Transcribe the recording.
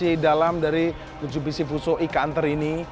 dan juga sisi dalam dari mitsubishi fuso e counter ini